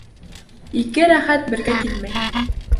Ике рәхәт бергә килмәй.